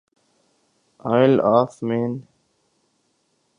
oil of main